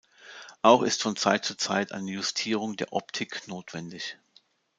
Auch ist von Zeit zu Zeit eine Justierung der Optik notwendig.